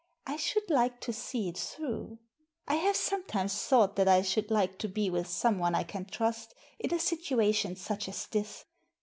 I should like to see it through. I have sometimes thought that I should like to be with someone I can trust in a situation such as this.